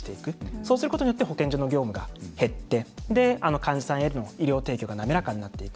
そうすることによって保健所の業務が減って患者さんへの医療提供が滑らかになっていく。